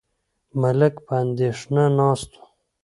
ملک په اندېښنه ناست و.